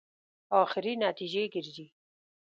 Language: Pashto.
اخري نتیجې ګرځي.